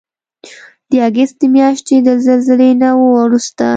د اګست د میاشتې د زلزلې نه وروسته